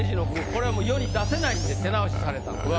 これはもう世に出せないんで手直しされた句はね。